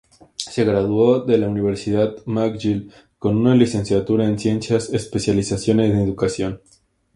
Se graduó de la Universidad McGill con una Licenciatura en Ciencias, especialización en educación.